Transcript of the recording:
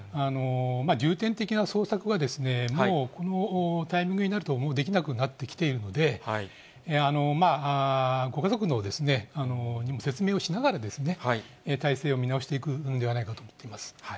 重点的な捜索はもうこのタイミングになると、もうできなくなってきているので、ご家族にも説明をしながら、態勢を見直していくのではないかと思っています。